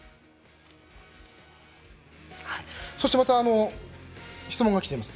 そしてまた質問が来ています。